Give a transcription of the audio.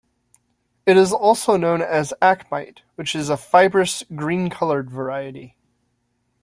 It is also known as acmite, which is a fibrous, green-colored variety.